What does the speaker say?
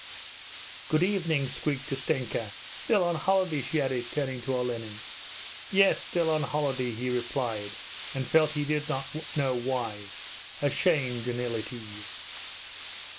'Good evening,' squeaked Ustenka. 'Still on holiday?' she added, turning to Olenin. 'Yes, still on holiday,' he replied, and felt, he did not know why, ashamed and ill at ease.